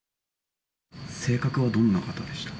性格はどんな方でした？